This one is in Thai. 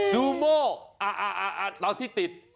ดูโมอ่าอ่าเราที่ติด